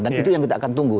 dan itu yang kita akan tunggu